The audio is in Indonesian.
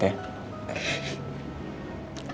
ku minta maaf pak